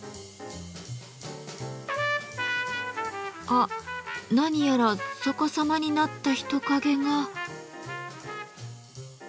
あっ何やら逆さまになった人影が。